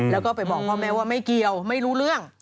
แล้วก็ไปบอกพ่อแม่ว่าไม่เกี่ยวไม่รู้เรื่อง